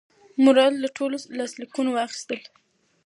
مراد له ټولو لاسلیکونه واخیستل.